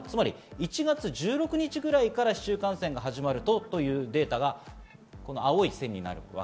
１月１６日ぐらいから市中感染が始まるとというデータが青い線です。